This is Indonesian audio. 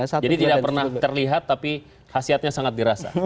jadi tidak pernah terlihat tapi hasilnya sangat dirasa